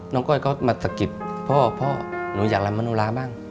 น้องก้อยก็มาสกิดพ่อหนูอยากลำมนุราบ้าง